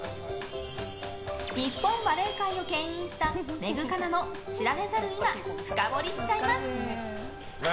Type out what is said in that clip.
日本バレー界を牽引したメグカナの知られざる今深掘りしちゃいます！